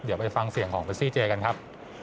เดี๋ยวไปฟังเสียงของพิสิทธิ์เจกันครับ